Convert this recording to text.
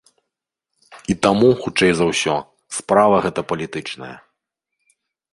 І таму, хутчэй за ўсё, справа гэта палітычная.